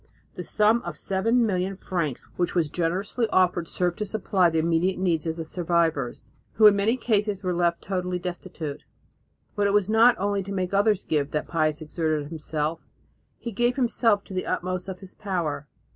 The sum of 7 million francs which was generously offered served to supply the immediate needs of the survivors, who in many cases were left totally destitute. But it was not only to make others give that Pius exerted himself; he gave himself to the utmost of his power.